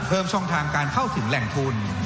เพิ่มช่องทางการเข้าถึงแหล่งทุน